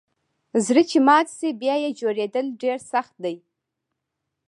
زړه چي مات سي بیا یه جوړیدل ډیر سخت دئ